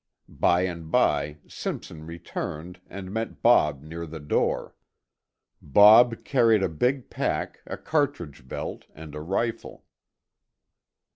By and by Simpson returned and met Bob near the door. Bob carried a big pack, a cartridge belt, and a rifle.